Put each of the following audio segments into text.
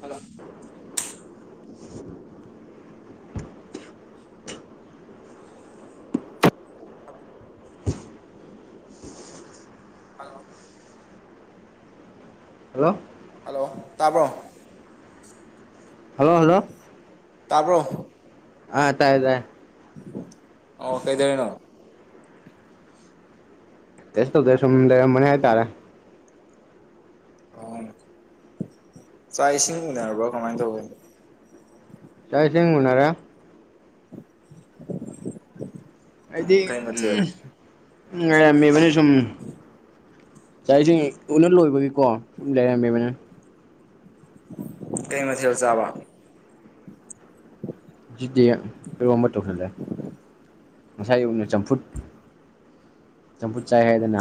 hello [inaudible] ꯑꯣ hello hello ꯇꯥꯕ꯭ꯔꯣ hello hello ꯇꯔꯕꯣ ꯑꯥ ꯇꯥꯏ ꯇꯥꯏꯦ ꯑꯣ ꯀꯩꯗꯅꯣꯣ ꯇꯁ ꯇꯧꯗ ꯁꯗꯔ ꯃꯅꯦ ꯍꯥꯏ ꯇꯥꯔꯦ ꯑ ꯆꯥꯛ ꯏꯁꯤꯡ ꯎꯟꯅꯔꯕ꯭ꯔꯥ ꯀꯃꯥꯏꯅ ꯇꯧꯒꯅꯣ ꯆꯥꯏꯁꯪ ꯃꯔꯥ ꯍꯥꯏꯗꯤ ꯀꯩ ꯃꯊꯦꯜ ꯎ ꯎ ꯂꯩꯔꯝꯃꯤꯕꯅꯤ ꯁꯨꯝ ꯆꯁꯤꯡ ꯎꯅ ꯂꯣꯏꯕꯒꯤꯀꯣ ꯂꯩꯔꯝꯃꯦꯕꯅ ꯀꯩ ꯅ ꯍꯧ ꯆꯕ ꯖꯤꯗꯤ ꯑꯣꯏꯝꯕ ꯇ ꯂꯩꯦ ꯉꯁꯥꯏ ꯌꯅ ꯆꯝꯐꯨꯠ ꯆꯝꯐꯨꯠ ꯆꯥꯏ ꯍꯥꯏꯗꯅ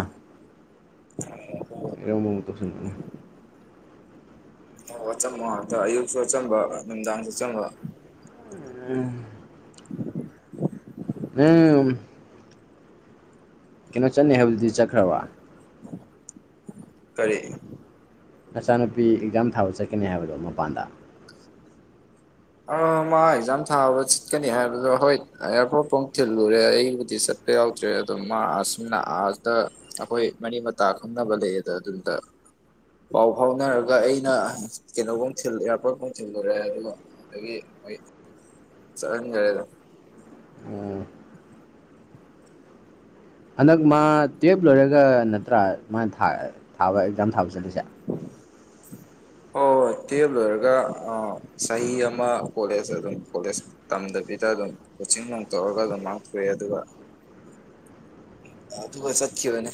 [inaudible] ꯏ ꯃ ꯃꯇ ꯁꯟꯅꯦ ꯑꯣ ꯋꯥꯆꯝꯕꯣ ꯑ ꯑꯌꯨꯛꯁꯨ ꯋꯥꯆꯝꯕ ꯅꯨꯡꯗꯥꯡꯁꯨ ꯆꯝꯕ ꯎꯝ ꯎꯝ ꯀꯩꯅꯣ ꯆꯠꯅꯩ ꯍꯥꯏꯕꯖꯤꯛꯇꯗꯤ ꯆꯠꯈ꯭ꯔꯕ ꯀꯔꯤꯦ ꯅꯆꯥꯅꯨꯄꯤ ꯑꯦꯛꯖꯥꯝ ꯊꯥꯕ ꯆꯠꯀꯅꯤ ꯍꯥꯏꯕꯗꯣ ꯃꯄꯥꯟꯗ ꯑ ꯃꯥ ꯑꯦꯛꯖꯥꯝ ꯊꯥꯕ ꯆꯠꯀꯅꯤ ꯍꯥꯏꯕꯗꯣ ꯍꯣꯏ ꯑꯦꯌꯥꯔꯄꯣꯔꯠꯐꯥꯎ ꯊꯤꯜꯂꯨꯔꯦ ꯑꯩꯕꯨꯗꯤ ꯆꯠꯦ ꯌꯥꯎꯗ꯭ꯔꯦ ꯑꯗꯣ ꯃꯥ ꯑꯥꯔꯁꯤꯅ ꯑꯥꯔꯁꯇ ꯑꯩꯈꯣꯏ ꯃꯔꯤ ꯃꯇꯥ ꯈꯪꯅꯕ ꯂꯩꯌꯦꯗ ꯑꯗꯨꯗ ꯄꯥꯎ ꯐꯥꯎꯅꯔꯒ ꯑꯩꯅ ꯀꯩꯅꯣꯐꯥꯎ ꯊꯤꯜ ꯏꯌꯥꯔꯄꯣꯔꯠꯐꯥꯎ ꯊꯤꯜꯂꯨꯔꯦ ꯑꯗꯨꯒ ꯑ ꯆꯍꯟꯒꯔꯦꯗ ꯑꯣ ꯍꯟꯗꯛ ꯃꯥ ꯇꯨꯌꯦꯞ ꯂꯣꯏꯔꯒ ꯅꯠꯇ꯭ꯔꯥ ꯃꯥꯅ ꯊꯥꯕ ꯑꯦꯛꯖꯥꯝ ꯊꯥꯕ ꯆꯠꯂꯤꯁꯦ [inaudible] ꯑꯣ ꯍꯣꯏ ꯇꯨꯌꯦꯞ ꯂꯣꯏꯔꯒ ꯆꯍꯤ ꯑꯃ ꯀꯣꯂꯦꯖ ꯑꯗꯨꯝ ꯀꯣꯂꯦꯖ ꯇꯝꯗꯕꯤ ꯁꯤꯗ ꯑꯗꯨꯝ ꯀꯣꯆꯤꯡ ꯅꯨꯡ ꯇꯧꯔꯒ ꯑꯗꯨꯝ ꯉꯥꯛꯊꯣꯛꯑꯏ ꯑꯗꯨꯒ ꯑꯗꯨꯒ ꯆꯠꯈꯤꯕꯅꯦ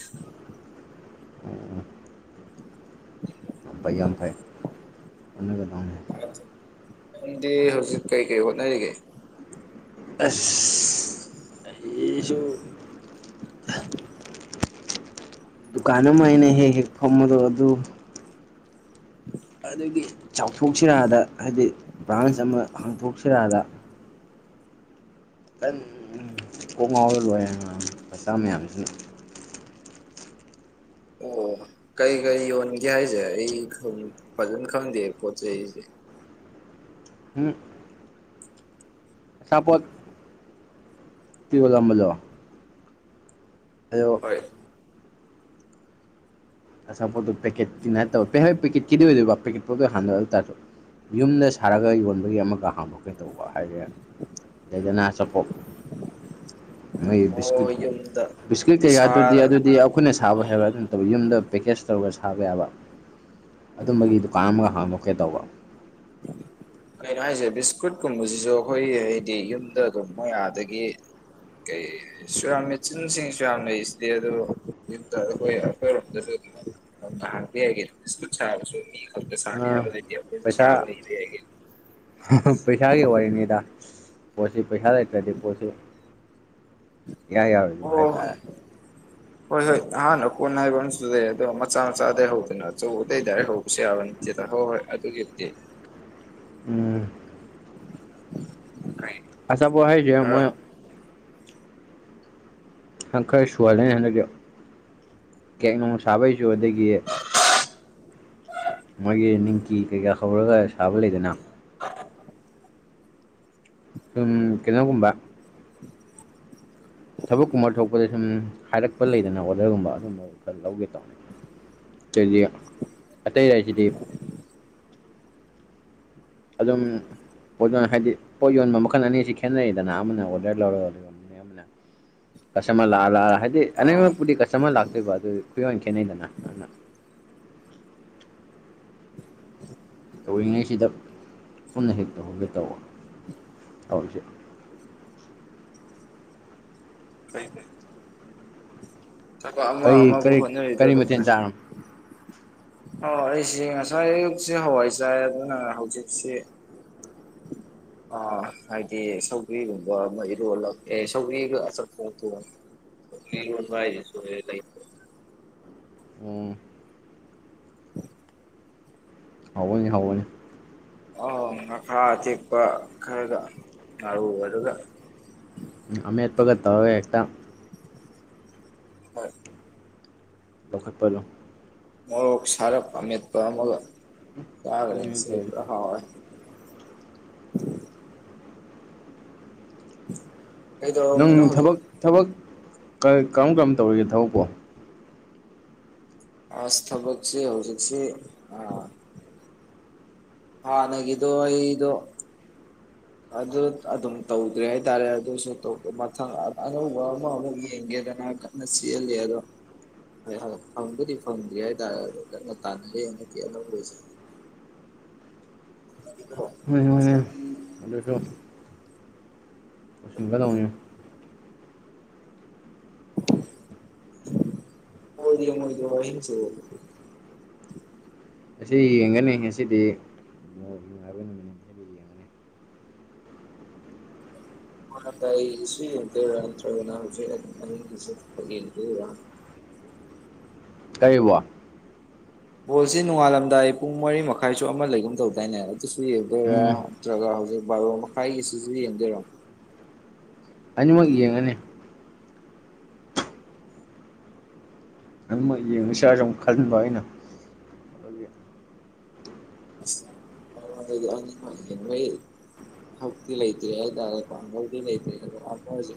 [inaudible] ꯑꯝꯐꯩ ꯑꯝꯐꯩ ꯎꯅꯒꯗ ꯗꯤ ꯍꯧꯖꯤꯛ ꯀꯩ ꯀꯩ ꯍꯅꯔꯦ ꯀꯩ ꯑꯁ ꯑꯩꯁꯨꯁꯨ ꯗꯨꯀꯥꯟ ꯑꯃ ꯑꯩꯅ ꯍꯦꯛ ꯍꯦꯛ ꯐꯝꯕꯗꯣ ꯑꯗꯨ ꯑꯗꯨꯗꯒꯤ ꯆꯥꯎꯊꯣꯛꯁꯤꯔꯥꯗ ꯍꯥꯏꯕꯗꯤ ꯕ꯭ꯔꯥꯟꯁ ꯑꯃ ꯍꯥꯡꯇꯣꯛꯁꯤꯔꯥꯗ ꯈꯣꯡ ꯉꯥꯎꯔ ꯂꯣꯏꯔ ꯃꯆꯥ ꯃꯌꯥꯝꯁꯤ ꯑꯣ ꯀꯔꯤ ꯀꯔꯤ ꯌꯣꯟꯒꯦ ꯍꯥꯏꯁꯦ ꯑꯩ ꯐꯖꯅ ꯈꯪꯗꯦ ꯄꯣꯠ ꯆꯩ ꯑꯩꯁꯦ ꯎꯝ ꯆꯄꯠ ꯇꯤ ꯂꯂꯝꯝꯕꯖ ꯍꯥꯏꯌꯨ ꯍꯣꯏ ꯑꯄ ꯄꯀꯦꯦꯠ ꯀ ꯍꯥꯟꯔ ꯌꯨꯝꯗ ꯁꯥꯔꯒ ꯌꯣꯟꯕꯒꯤ ꯑꯃꯒ ꯍꯥꯡꯗꯣꯛꯀꯅꯤ ꯇꯧꯕ ꯍꯥꯏꯁꯦ ꯂꯩꯗꯩꯗꯅꯥ ꯑꯆꯥꯄꯣꯠ ꯃꯣꯏ ꯑꯣ ꯕꯤꯁꯀꯤꯨꯠ ꯌꯨꯝꯗ ꯕꯤꯁꯀꯤꯠ ꯏꯁꯥ ꯀꯩꯀꯥꯗꯨꯗꯤ ꯑꯗꯨꯗꯤ ꯑꯩꯈꯣꯏꯅ ꯁꯥꯕ ꯑꯣ ꯍꯥꯏꯕꯥ ꯑꯗꯨꯝ ꯇꯧ ꯌꯨꯝꯗ ꯇꯔꯒ ꯁꯥꯕ ꯌꯥꯕ ꯑꯗꯨꯝꯕꯒꯤ ꯗꯨꯀꯥꯟ ꯑꯃꯒ ꯍꯥꯡꯗꯣꯛꯀꯦ ꯇꯧꯕ ꯀꯩꯅꯣ ꯍꯥꯏꯁꯦ ꯕꯤꯁꯀꯨꯠ ꯀꯨꯝꯕꯁꯤꯁꯨ ꯑꯩꯈꯣꯏ ꯍꯥꯏꯗꯤ ꯌꯨꯝꯗ ꯑꯗꯨꯨꯝ ꯃ ꯑꯗꯒꯤ ꯀꯩ ꯁ ꯌꯥꯝ ꯃꯦꯆꯤꯟꯁꯤꯡꯁꯨ ꯌꯥꯝ ꯂꯩꯁꯤꯗꯤ ꯑ ꯑꯗꯨ ꯑꯩꯈꯣꯏ ꯑꯩꯈꯣꯏꯔꯣꯝꯗꯁꯨ ꯔꯗꯤ ꯍꯥꯏꯒꯦꯦ ꯏ ꯆꯔ ꯁ ꯑꯥ ꯁꯕꯗꯤ ꯑꯩꯣꯏ ꯄꯩꯁꯥ ꯁꯕꯍꯤ ꯍꯥꯏꯒ ꯄꯩꯁꯥꯒꯤ ꯑꯣꯏꯅꯤꯗ ꯄꯣꯠꯁꯤ ꯄꯩꯁꯥ ꯂꯩꯇꯗꯤ ꯄꯣꯠꯁꯤ ꯌꯥꯏ ꯌꯥꯔꯦꯗꯨ ꯑꯣ ꯍꯥꯏꯇꯥꯔꯦ ꯍꯣꯏ ꯍꯣꯏ ꯍꯥꯟꯅ ꯀꯣꯟ ꯍꯥꯏꯕꯅꯁꯨ ꯂꯩ ꯑꯗꯣ ꯃꯆꯥ ꯃꯆꯥꯗ ꯍꯧꯗꯅ ꯑꯆꯧꯕꯗꯩ ꯗꯥꯔꯦ ꯍꯧ ꯌꯥꯕꯅꯤ ꯍꯣꯏ ꯍꯣꯏ ꯑꯗꯨꯒꯤꯗꯤ ꯎꯝ [unintelligible] ꯑꯁꯥꯕꯣ ꯍꯥꯏꯁꯨ ꯈꯔ ꯃꯣꯏ ꯍ ꯈꯔ ꯁꯨꯍꯜꯂꯦ ꯍꯟꯗꯛꯛꯇꯤ ꯀꯦꯛ ꯅꯣꯡ ꯁꯥꯕꯩꯁꯨ ꯑꯗꯒꯤ ꯃꯣꯏꯒꯤ ꯅꯤꯡꯀꯤꯤ ꯀꯩꯀꯥ ꯍꯧꯔꯒ ꯁꯥꯕ ꯂꯩꯗꯅ [unintelligible] ꯎꯝ ꯀꯩꯅꯣꯒꯨꯝꯕ ꯊꯕꯛ ꯀꯨꯝꯕ ꯊꯣꯛꯄꯗ ꯁꯨꯝ ꯍꯥꯏꯔꯛꯄ ꯂꯩꯗꯅ ꯑꯣꯔꯗꯔꯒꯨꯝꯕ ꯑꯗꯨꯝꯕ ꯈꯔ ꯂꯧꯒꯦ ꯇꯧꯅꯤ [unintelligible] ꯆꯖ ꯑꯇꯩ ꯆꯁꯤꯗꯤ ꯑꯗꯨꯝ ꯄꯣꯠ ꯌꯣꯟ ꯍꯥꯏꯗꯤ ꯄꯣꯠ ꯌꯣꯟꯕ ꯃꯈꯜ ꯑꯅꯤꯁꯤ ꯈꯦꯠꯅꯩꯗꯅ ꯑꯃꯅ ꯑꯣꯔꯗꯔ ꯂꯧꯔꯒ ꯑꯃꯅ ꯑꯁ ꯃ ꯂ ꯑ ꯂ ꯍꯥꯏꯗꯤ ꯑꯥ ꯑꯅꯩꯃꯛꯄꯨꯗꯤ ꯀꯁꯇꯃꯔ ꯂꯥꯛꯇꯣꯏꯕ ꯑꯗꯨ ꯐꯌꯣꯟ ꯈꯦꯠꯅꯩꯗꯅꯅ ꯇꯧꯔꯤꯉꯩꯁꯤꯗ ꯄꯨꯟꯅ ꯍꯦꯛ ꯇꯧꯍꯟꯒꯦ ꯇꯧꯕ ꯇꯧꯔꯤꯁꯦ [unintelligible] ꯐꯣꯏ ꯑꯃ ꯀꯔꯤ ꯑꯃꯕꯨ ꯀꯔꯤ ꯍꯣꯠꯅꯔꯤꯗꯣ ꯀꯔꯤ ꯑꯗꯨꯝ ꯃꯊꯦꯜ ꯐ ꯆꯥꯔꯝ ꯑꯣ ꯑꯩꯁꯤꯦ ꯉꯁꯥꯏ ꯑꯌꯨꯛꯁꯤ ꯍꯋꯥꯏ ꯆꯥꯏ ꯑꯗꯨꯅ ꯍꯧꯖꯤꯛꯁꯤ ꯑ ꯍꯥꯏꯗꯤ ꯁꯧꯕꯒ꯭ꯔꯤꯒꯨꯝꯕ ꯃꯩꯔꯣꯜꯂ ꯑꯦ ꯁꯧꯕꯔꯤꯒ ꯑꯆꯄꯣꯣ ꯂꯣꯟ ꯍꯥꯏꯏꯗꯁ ꯂ ꯑꯣ ꯎꯝ ꯍꯏꯅꯦ ꯍꯏꯅꯦ ꯑ ꯉꯈꯥ ꯑꯇꯦꯛꯄ ꯈꯔꯒ ꯉꯥꯔꯨ ꯑꯗꯨꯒ ꯑꯃ ꯑꯦꯄꯣ ꯀꯇꯥ ꯑꯦꯇ ꯍꯣꯏ ꯂꯈꯠ ꯄꯂꯨ ꯃ ꯁꯔꯄ ꯑꯃꯃꯤ ꯄ ꯑꯃꯒ ꯌꯥꯒꯔꯦ ꯑꯗꯨꯅꯤ ꯁꯤ ꯇꯧꯔꯤꯁꯦ ꯍꯣꯏ ꯎꯝ ꯅꯪ ꯊꯕꯛ ꯊꯕꯛ ꯀꯔꯝ ꯀꯔꯝ ꯇꯧꯔꯤꯒꯦ ꯊꯕꯛꯄꯣ ꯑꯁ ꯊꯕꯁꯤ ꯍꯧꯧꯖꯤꯁꯤ ꯑ ꯍꯥ ꯅꯒꯤꯗꯨꯣ ꯑꯩꯗ ꯑꯗꯨ ꯑꯗꯨꯝ ꯇꯧꯗ꯭ꯔꯦ ꯍꯥꯏꯇꯥꯔꯦ ꯑꯗꯨꯁꯨ ꯃꯊꯪ ꯑꯅꯧꯕ ꯑꯃꯃꯨꯛ ꯌꯦꯡꯒꯦꯗꯅ ꯀꯠꯅ ꯁꯤꯍꯜꯂꯤ ꯑꯗꯣ ꯍꯣꯏ ꯍꯣꯏ ꯐꯪꯕꯨꯗꯤ ꯐꯪꯗꯦ ꯍꯥꯏꯇꯥꯔꯦ ꯑꯗꯣ ꯀꯟꯅ ꯇꯥꯟꯅꯒꯦ ꯍꯟꯗꯛꯀꯤ ꯑꯅꯧꯕꯁꯦ [unintelligible] ꯃ ꯃꯅꯦꯦ ꯑꯗꯨꯁꯨꯕ ꯇꯉ ꯑꯣꯏꯗꯤ ꯃꯣꯏꯗ ꯋꯥꯍꯤꯁꯨ ꯑꯁꯤ ꯌꯦꯡꯒꯅꯤ ꯉꯁꯤꯗꯤ ꯅꯨꯡꯉꯥꯏꯕ ꯅꯨꯃꯤꯠꯗꯤ ꯌꯦꯡꯒꯅꯤ ꯍ ꯇ ꯑꯩꯁꯨ ꯌꯦꯟ ꯀ꯭ꯔ꯭ꯔꯁꯨ ꯀ ꯎꯝ ꯀꯔꯤꯕ ꯕꯣꯜꯁꯤ ꯅꯣꯡꯉꯥꯜꯂꯝꯗꯥꯏ ꯄꯨꯡ ꯃꯔꯤ ꯃꯈꯥꯏꯁꯨ ꯑꯃ ꯂꯩꯒꯨꯝ ꯇꯧꯗꯥꯏꯅꯦ ꯁꯨ ꯌꯦꯡꯗꯣꯏꯔ ꯎꯝ ꯅꯠꯇ꯭ꯔꯒ ꯍꯧꯖꯤꯛ ꯕꯥꯔꯣ ꯃꯈꯥꯏꯒꯤ ꯁꯤꯁꯨ ꯌꯦꯡꯗꯣꯏꯔꯣ ꯑꯅꯤꯃꯛ ꯌꯦꯡꯉꯅꯤ ꯅꯝ ꯌꯦꯡꯉꯨꯁꯤꯁꯝ ꯈꯟꯕ ꯑꯩꯅ ꯑꯗꯨꯒꯤ [unintelligible] ꯍꯧꯤ ꯂꯩꯇꯗꯤ ꯂꯩꯇꯖꯤ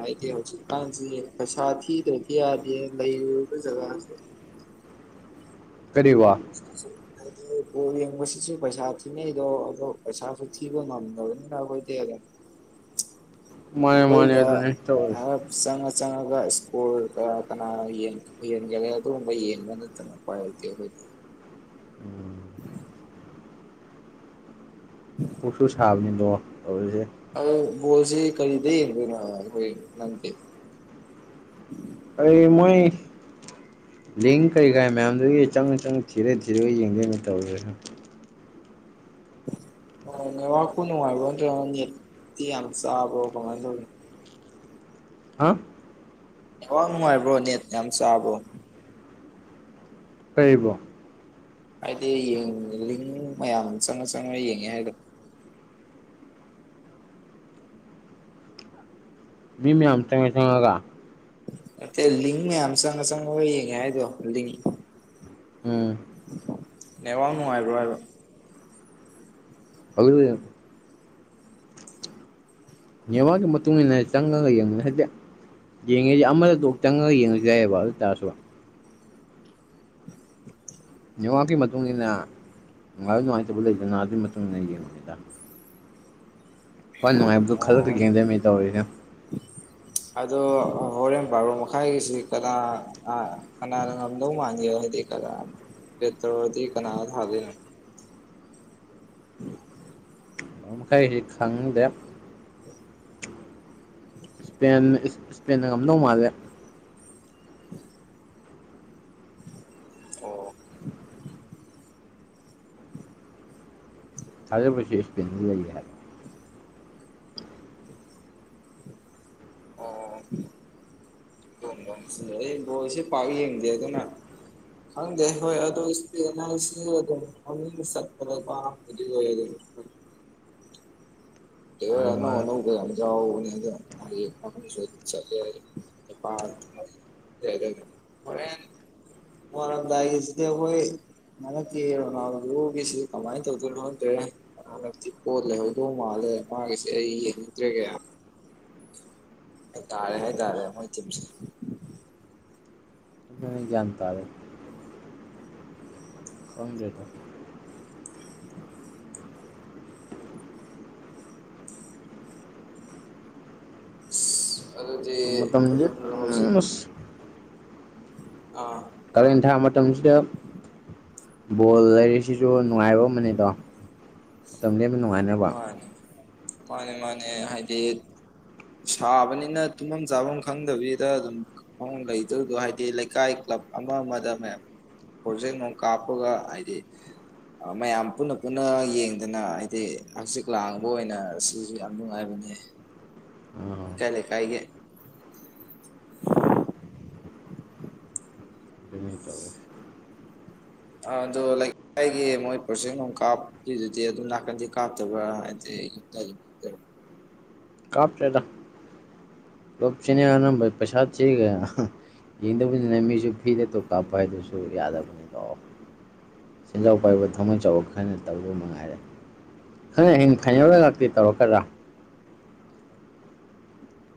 ꯍꯥꯏ ꯍꯧꯖꯤꯛꯀꯥꯟꯁꯤ ꯄꯩꯁꯥ ꯊꯤꯗ꯭ꯔꯗꯤ ꯌꯥꯗꯦ ꯂꯩꯔꯨꯕ ꯖꯒꯥꯁꯦ [unintelligible] ꯀꯔꯤꯕ ꯀꯔ ꯑꯣ ꯌꯦꯡꯕꯁꯤꯁꯨ ꯄꯩꯁꯥ ꯊꯤꯅꯩꯗꯣ ꯑꯗꯣ ꯄꯩꯁꯥꯁꯨ ꯊꯤꯕ ꯉꯝꯗꯕꯅꯤꯅ ꯑꯩꯈꯣꯏꯗꯤ ꯑꯗꯣ ꯎ ꯃꯥꯅꯦ ꯃꯥꯅꯦ ꯍꯗ ꯑꯗꯨꯅꯦ ꯑ ꯇꯧꯔꯤꯁꯦ ꯆꯉ ꯆꯉ ꯁ꯭ꯀꯨꯜ ꯀ ꯀꯅꯥ ꯌꯦ ꯌꯦꯟꯒꯒꯦ ꯑꯗꯨꯒꯨꯝꯕ ꯌꯦꯟꯕ ꯅꯠꯇꯅ ꯀꯇꯦ ꯑꯩꯈꯣꯏꯗꯤ [unintelligible] ꯎꯝ ꯀꯣꯛꯁꯨ ꯁꯥꯕꯅꯤꯗꯣ ꯇꯧꯁꯦ ꯑ ꯣꯜꯁꯤꯦ ꯀꯔꯤꯗ ꯍꯣꯏ ꯅꯪꯇꯦ ꯑꯩ ꯃꯣꯏ ꯂꯤꯡ ꯀꯩ ꯀꯥ ꯃꯌꯥꯝꯗꯨꯒꯤ ꯆꯪ ꯆꯪ ꯊꯤꯔ ꯊꯤꯔꯒ ꯌꯦꯡꯒꯣꯏꯩꯅ ꯇꯧꯔ [unintelligible] ꯋꯥꯅꯨꯡꯉꯕ ꯆꯕꯉ ꯍꯥ ꯍꯅꯨꯡꯥꯏꯕ꯭ꯔꯣ ꯅꯦꯠꯅꯦ ꯌꯥꯝ ꯆꯥꯕ꯭ꯔꯣ ꯇꯩꯕ ꯍꯥꯏꯗꯤ ꯌꯦꯡꯂꯤ ꯃꯌꯥꯝ ꯑꯃ ꯆꯪꯉ ꯆꯪꯉ ꯌꯦꯡꯉꯦ ꯍꯥꯏꯗ ꯃꯤ ꯃꯌꯥꯝ ꯆꯉꯥꯏ ꯆꯉꯒ ꯂ ꯂꯤꯤꯡꯅꯦ ꯑꯝ ꯆꯦꯗꯣ ꯂ ꯂꯤ ꯎꯝ ꯅꯦ ꯋꯥꯅꯅꯨꯡ ꯍꯥꯏꯔ ꯍꯥꯏꯕ ꯐ ꯌꯥ ꯌꯥꯕꯒ ꯃꯨꯅꯦ ꯆꯪꯉꯒ ꯌꯦꯡꯉ ꯍꯥꯏꯛꯇ ꯌꯦꯡꯉꯤꯁꯤ ꯑꯃꯗꯣꯛ ꯆꯪꯉꯒ ꯌꯦꯡꯉꯁꯨ ꯌꯥꯏꯑꯕ ꯑꯗꯨ ꯇꯥꯔꯁꯨ ꯅꯤꯉꯥꯛꯀꯤ ꯃꯇꯨꯡ ꯃꯇꯨꯡꯏꯟꯅ ꯅꯨꯡꯉꯥꯏꯕ ꯅꯨꯡꯉꯥꯏꯇꯕ ꯂꯩꯗꯅ ꯑꯗꯨꯒꯤ ꯃꯇꯨꯡꯟꯅ ꯌꯦꯡꯉꯨꯦꯗ ꯐꯅꯅꯨꯡꯉꯥꯏꯕꯗꯨ ꯈꯂꯛꯇ ꯑꯣ ꯀꯗꯦ ꯃꯤ ꯇ ꯑꯣꯏꯗ ꯑꯗꯣ ꯍꯣꯔꯦꯟ ꯕꯥꯔꯣ ꯃꯈꯥꯏꯒꯤꯁꯤ ꯀꯅꯥ ꯀꯅꯥꯗ ꯉꯝꯗꯧ ꯃꯥꯟꯒꯦ ꯍꯥꯏꯅꯗꯤ ꯆꯇ꯭ꯔꯗꯤ ꯏ ꯀꯅꯥ ꯍꯕꯅ ꯎꯝ ꯝꯈꯩ ꯍꯦꯛ ꯈꯪꯗꯦ [unintelligible] ꯏꯁꯄ ꯏꯁꯄꯦꯟꯗ ꯉꯝꯗꯧ ꯃꯥꯜꯂꯦ ꯍꯣꯏ ꯁꯥꯔꯦ ꯁꯦꯁ ꯇ ꯂꯩ ꯍꯥꯏꯔ ꯑꯥ ꯑꯩ ꯣꯁꯤ ꯄꯥꯎ ꯌꯦꯡꯡꯗꯦ ꯑꯗꯨꯣꯅ ꯍꯪꯒꯦ ꯍꯣꯏ ꯑꯗꯨ ꯑꯗꯨ [unintelligible] ꯃꯥꯅꯦ ꯅ ꯃꯥꯅꯦ ꯅ ꯀ ꯋꯥꯔ ꯗꯏꯁꯤꯣꯏ ꯅꯅꯛꯀꯤ ꯅꯥꯟ ꯂꯒꯤꯁꯤ ꯀꯃꯥꯏꯅ ꯇꯧꯗꯣꯏꯅꯣꯗ꯭ꯔꯦ ꯍꯛꯇꯤ ꯀꯣꯠꯂꯦ ꯍꯧꯗꯣ ꯃꯥꯜꯂꯦ ꯃꯥꯁꯦ ꯑꯩꯉꯗ꯭ꯔꯦꯒꯌꯥ ꯇꯥꯔꯦ ꯍ ꯇꯥꯔꯦ ꯃꯣꯏꯁꯤ ꯑ ꯭ꯌꯥ ꯇꯔꯦ [inaudible] ꯑꯗꯨꯗꯤ ꯃꯇꯝꯁꯦ ꯑꯗꯨꯝ ꯍꯧꯖꯤꯛ ꯑꯁ ꯎ ꯀꯥꯔꯦꯟ ꯊꯥ ꯃꯇꯝꯁꯤꯗ ꯕꯣꯜ ꯂꯩꯔꯤꯁꯤꯁꯨ ꯅꯨꯡꯉꯥꯏꯕ ꯑꯃꯅꯦꯗꯣ ꯑꯗꯨ ꯅꯨꯡꯉꯥꯏꯅꯕ ꯃꯥꯅꯦ ꯃꯥꯅꯦ ꯃꯥꯅꯦ ꯍꯥꯏꯗꯤ ꯁꯥꯕꯅꯤꯅ ꯇꯨꯝꯐꯝ ꯆꯥꯐꯝ ꯈꯪꯗꯕꯤꯗ ꯑꯗꯨꯝ ꯂꯩꯗꯔꯤꯗꯣ ꯍꯥꯏꯗꯤ ꯂꯩꯀꯥꯏ ꯀ꯭ꯂꯕ ꯑꯃ ꯑꯃꯗ ꯃꯌꯥꯝ ꯄ꯭ꯔꯣꯖꯦꯛ ꯑꯃ ꯀꯥꯞꯄꯒ ꯍꯥꯏꯗꯤ ꯃꯌꯥꯝ ꯄꯨꯟꯅ ꯄꯨꯟꯅ ꯌꯦꯡꯗꯅ ꯍꯥꯏꯗꯤ ꯍꯪꯆꯤꯛ ꯂꯥꯡꯕ ꯑꯣꯏꯅ ꯁꯤꯁꯨ ꯌꯥꯝ ꯅꯨꯡꯉꯥꯏꯕꯅꯦ ꯑꯥ ꯀꯥꯏ ꯂꯩ ꯀꯥꯏꯒ ꯑꯗꯨꯅꯤ ꯇꯧꯔꯤꯁꯦ ꯑ ꯑꯗꯨꯗꯣ ꯂꯩꯀꯥꯏꯒꯤ ꯃꯣꯏ ꯄꯣꯁꯦꯛ ꯅꯨꯡ ꯀꯥꯞꯄꯤꯗꯨꯗꯤ ꯑꯗꯨꯝ ꯅꯥꯀꯟꯗꯤ ꯀꯥꯞꯇꯕ꯭ꯔꯥ ꯍꯥꯏꯗꯤ [inaudible] ꯀꯥꯞ ꯆ ꯂ ꯆꯅꯤ ꯄ꯭ꯔꯁꯥꯗ ꯆꯒ ꯌꯦꯡꯗꯕꯅꯤꯅ ꯃꯤꯁꯨ ꯐꯤꯗꯦꯠꯇꯣ ꯀꯥꯞꯄ ꯍꯥꯏꯗꯨꯁꯨ ꯌꯥꯗꯕꯅꯤꯗꯣ ꯁꯦꯟꯖꯥꯎ ꯄꯥꯏꯕ ꯊꯧꯃꯟ ꯆꯥꯎꯕ ꯈꯔꯅ ꯇꯧꯕꯧꯕ ꯃꯉꯥꯏꯔꯦ ꯈ ꯍꯌꯦꯡ ꯈꯥꯏꯅꯧꯔ ꯈꯥꯛꯇꯤ ꯇꯧꯔꯛꯀꯗ꯭ꯔꯥ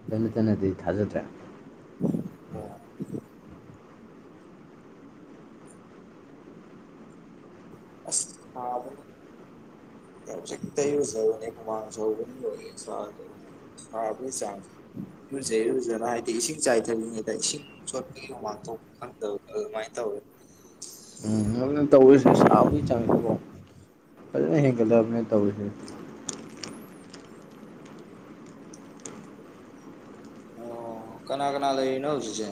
ꯇꯅ ꯇꯅꯗꯤ ꯊꯥꯖꯗ꯭ꯔꯦ ꯑꯣ ꯑꯥ ꯌꯥ ꯆ ꯇꯌꯁ ꯃꯥꯥꯡ ꯁꯅꯤ ꯁ ꯍꯥꯥ ꯆꯥ ꯏꯨꯁꯦꯔꯨꯖꯅ ꯍꯥꯏꯗꯤ ꯏꯁꯤꯡ ꯆꯥꯏꯊꯔꯤꯉꯗ ꯏꯁꯤꯡ ꯁꯣꯠꯄꯒꯤꯥꯡꯦ ꯈꯪꯗ ꯃꯥꯥꯏ ꯇ ꯑꯣꯏ ꯎꯝ ꯅꯅ ꯇꯧꯔꯁꯤ ꯁꯥꯕꯒꯤ ꯆꯪꯉꯤꯁꯤꯀꯣ ꯑ ꯍ ꯀꯗꯅꯦ ꯇꯧꯁꯦ ꯑꯣ ꯀꯅꯥ ꯀꯅꯥ ꯂꯩꯣꯏꯅꯁꯨꯁ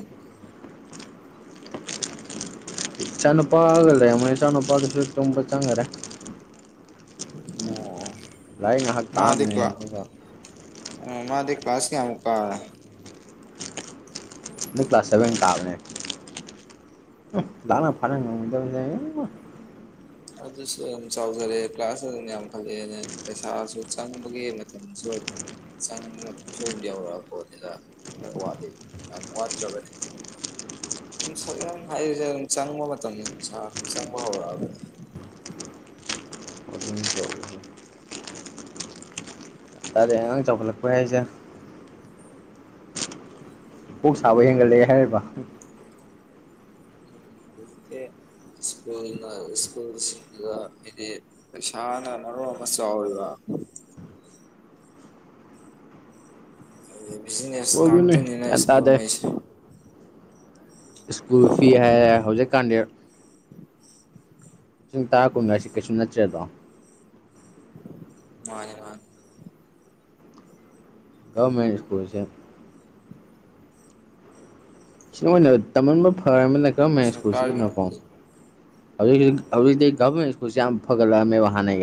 ꯏꯆꯥ ꯅꯨꯨꯄꯥ ꯍꯥꯏꯒ ꯂꯩ ꯃ ꯏꯆꯥꯅꯨꯄꯥꯒꯤꯁꯨ ꯇꯨꯝꯕ ꯆꯪꯈꯔꯦ ꯑꯣ ꯂꯥꯏ ꯉꯥꯏꯍꯥꯛ ꯇꯥꯑꯃꯦ ꯑꯗꯨꯒꯗ ꯑ ꯃꯥꯗꯤ ꯀ꯭ꯂꯥꯁ ꯀ ꯑꯃꯨꯛꯀꯥ ꯀ꯭ꯂ ꯁꯕꯦꯟꯕꯅꯦꯦ ꯅ ꯑꯣ ꯐꯔ ꯆꯝꯖ ꯑꯗꯨꯁꯨ ꯌꯥꯝ ꯆꯥꯎꯖꯔꯦ ꯀ꯭ꯂꯥꯁꯇ ꯑꯗꯨꯅ ꯌꯥꯝ ꯈꯠꯂꯛꯑꯦ ꯄꯩꯁꯥꯁꯨ ꯆꯪꯕꯒꯤ ꯃꯇꯝꯁꯨ ꯐ ꯁ ꯁ ꯌꯥ ꯋꯥꯗ ꯋꯥꯗ ꯐꯔ ꯁ ꯍꯥꯏ ꯆꯪꯕꯕ ꯃꯇꯝ ꯆꯪꯕ ꯇꯥꯔꯦ ꯑꯉꯥꯡ ꯆꯥꯎꯈꯠꯂꯛꯄꯩ ꯍꯥꯏꯁꯦ ꯀꯣꯛ ꯁꯥꯕ ꯍꯦꯟꯒꯠꯂꯦ ꯍꯥꯏꯔꯤꯕ [unintelligible] ꯁ꯭ꯀꯨꯜꯅ ꯁ꯭ꯀꯨꯜꯁꯤꯡꯗꯨꯗ ꯍꯥꯏꯗꯤ ꯄꯩꯁꯥꯅ ꯅꯨ ꯑꯃ ꯆꯥꯎꯋꯕ [inaudible] ꯕꯤꯖꯤꯅꯦꯁ ꯑꯣꯏꯕꯅꯦ ꯉꯥꯛꯇꯅꯤꯅ ꯒ꯭ꯌꯥꯟ ꯇꯥꯗꯦ ꯁ꯭ꯀꯨꯜꯉꯩꯁꯦ ꯁ꯭ꯀꯨꯜ ꯐꯤ ꯍꯥꯏ ꯍꯧꯖꯤꯛꯀꯥꯟꯗꯤ ꯂꯤꯁꯤꯡ ꯇꯔꯥ ꯀꯨꯟꯒꯁꯤ ꯀꯩꯁꯨꯨꯝ ꯅꯠꯇ꯭ꯔꯦꯗꯣ ꯃꯥꯅꯦ ꯃꯥꯅꯦ ꯒꯔꯃꯦꯟ ꯁ꯭ꯀꯨꯜꯁꯦ ꯁꯤꯗ ꯑꯣꯏꯅ ꯇꯝꯃꯟꯕ ꯐꯔꯕꯅꯤꯅ ꯒꯔꯃꯦꯟ ꯁꯔꯀꯥꯔꯒꯤ ꯁ꯭ꯀꯨꯜꯁꯤꯗꯅꯀꯣ [unintelligible] ꯍꯧꯖꯤꯛꯇꯤ ꯒꯝꯃꯦꯟ ꯏꯁꯀꯨꯜꯁꯤ ꯌꯥꯝ ꯐꯒꯠꯂꯛꯑꯝꯅꯦꯕ ꯍꯥꯟꯅꯩꯒ